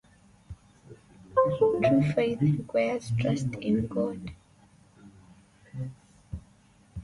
True faith requires trust in God.